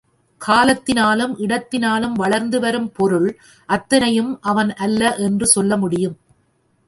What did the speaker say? காலத்தினாலும், இடத்தினாலும் வளர்ந்து வரும் பொருள் அத்தனையும் அவன் அல்ல என்று சொல்ல முடியும்.